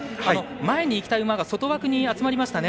前にいきたい馬が外枠に集まりましたね。